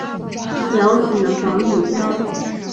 有子黄以周。